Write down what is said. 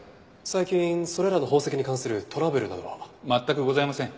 最近それらの宝石に関するトラブルなどは？全くございません。